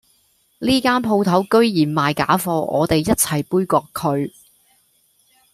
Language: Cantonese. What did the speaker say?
呢間舖頭居然賣假貨我哋一齊杯葛佢